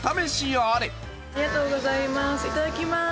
ありがとうございます。